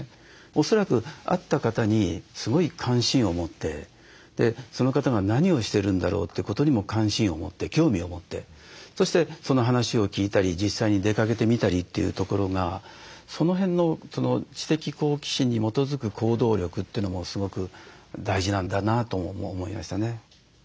恐らく会った方にすごい関心を持ってその方が何をしてるんだろう？ということにも関心を持って興味を持ってそしてその話を聞いたり実際に出かけてみたりというところがその辺の知的好奇心に基づく行動力というのもすごく大事なんだなとも思いましたね。